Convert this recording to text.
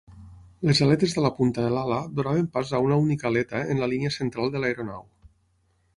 Les aletes de la punta de l'ala donaven pas a una única aleta en la línia central de l'aeronau.